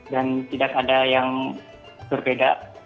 dan tidak ada yang berbeda